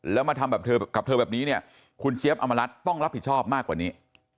แล้วมาทำแบบเธอกับเธอแบบนี้เนี่ยคุณเจี๊ยบอมรัฐต้องรับผิดชอบมากกว่านี้